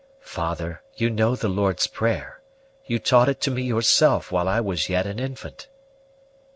"Father, you know the Lord's Prayer; you taught it to me yourself while I was yet an infant."